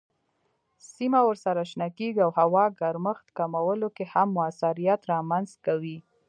سیمه ورسره شنه کیږي او هوا ګرمښت کمولو کې هم موثریت رامنځ کوي.